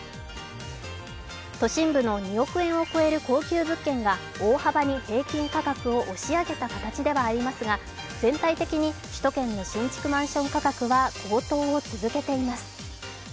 都心部の２億円を超える高級物件が大幅に平均価格を押し上げた形ではありますが、全体的に首都圏の新築マンション価格は高騰を続けています。